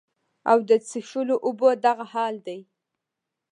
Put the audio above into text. او د څښلو اوبو دغه حال دے